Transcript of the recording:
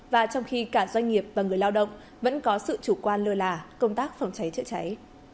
và trong khi cả doanh nghiệp và người lao động vẫn có sự chủ quan lừa lả công tác phòng cháy trợ cháy